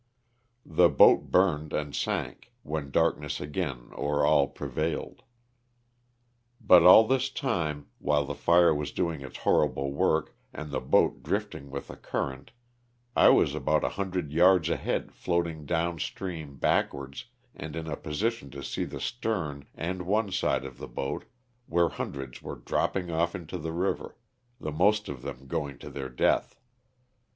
The boat burned and sank, when darkness again o'er all prevailed. But all this time, while the fire was doing its horrible work and the boat drifting with the current, I was about 100 yards ahead floating down stream backwards and in a position to see the stern and one side of the boat where hundreds were dropping off into the river, the most of them going to their death.